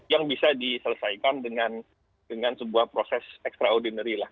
yang bisa diselesaikan dengan sebuah proses ekstraordinari